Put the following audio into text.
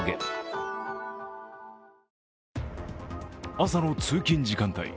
朝の通勤時間帯。